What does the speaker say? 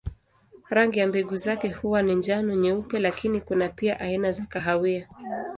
Rangi ya mbegu zake huwa ni njano, nyeupe lakini kuna pia aina za kahawia.